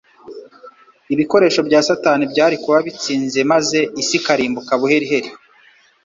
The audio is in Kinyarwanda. ibikoresho bya Satani byari kuba bitsinze maze isi ikarimbuka buheriheri.